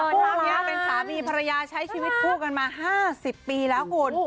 คราวนี้เป็นสามีภรรยาใช้ชีวิตคู่กันมา๕๐ปีแล้วคุณ